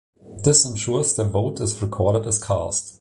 This ensures their vote is "recorded as cast".